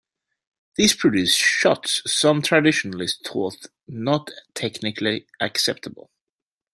This produced shots some traditionalists thought "not technically acceptable".